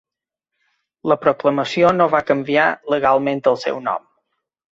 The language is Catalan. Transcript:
La proclamació no va canviar legalment el seu nom.